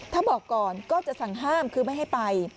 ถ้าบอกก่อนก็จะสั่งห้ามคือไม่ให้ไป